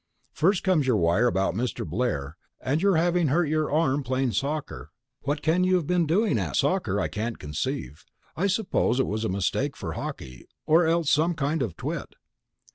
First comes your wire about Mr. Blair and your having hurt your arm playing soccer. What you can have been doing at soccer I can't conceive. I supposed it was a mistake for hockey, or else some kind of a twit.